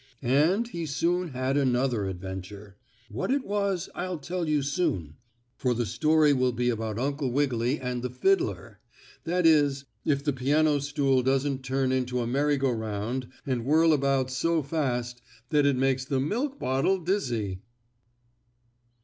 And he soon had another adventure. What it was I'll tell you soon, for the story will be about Uncle Wiggily and the fiddler that is, if the piano stool doesn't turn into a merry go 'round and whirl about so fast that it makes the milk bottle dizzy.